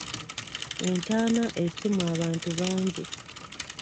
Entaana esimwa abantu bangi